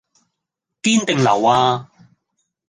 堅定流呀？